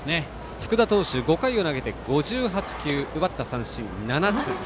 福田投手、５回を投げて５８球、奪った三振は７つ。